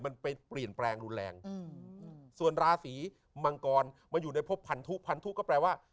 มันไปเปลี่ยนแปลงรุนแรงอืมส่วนราศีมังกรมาอยู่ในพบพันธุพันธุก็แปลว่า